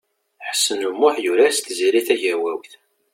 Ḥsen U Muḥ yurar s Tiziri Tagawawt.